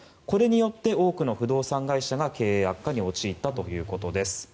これによって多くの不動産会社が経営悪化に陥ったということです。